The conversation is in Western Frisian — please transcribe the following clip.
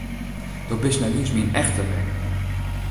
Do bist net iens myn echte mem!